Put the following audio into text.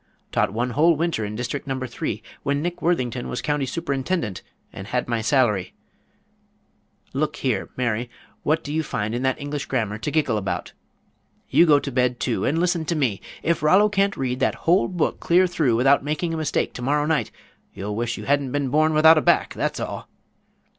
Taught one whole winter in district number three when Nick Worthington was county superintendent, and had my salary look here, Mary, what do you find in that English grammar to giggle about? You go to bed, too, and listen to me if Rollo can't read that whole book clear through without making a mistake to morrow night, you'll wish you had been born without a back, that's all."